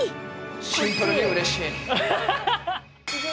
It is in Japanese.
シンプルにうれしい。